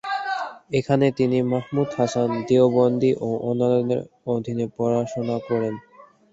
এখানে তিনি মাহমুদ হাসান দেওবন্দি ও অন্যান্যদের অধীনে পড়াশোনা করেন।